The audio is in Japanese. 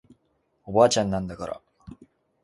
おばあちゃんなんだから